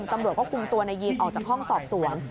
ตำรวจก็คุมตัวนายยีนออกจากห้องสอบสวน